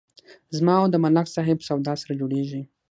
زما او د ملک صاحب سودا سره جوړیږي.